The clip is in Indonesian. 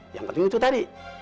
yang penting itu tadi